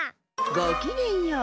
ごきげんよう。